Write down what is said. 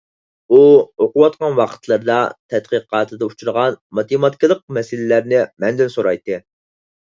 ئۇ ئوقۇۋاتقان ۋاقىتلىرىدا تەتقىقاتىدا ئۇچراتقان ماتېماتىكىلىق مەسىلىلەرنى مەندىن سورايتتى.